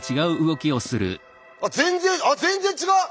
全然全然違う！